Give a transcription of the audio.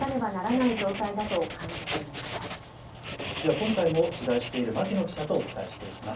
今回も取材している牧野記者とお伝えしていきます。